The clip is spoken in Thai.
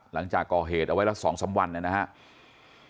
หลังจากก่อเหตุเอาไว้ละ๒๓วันนะครับ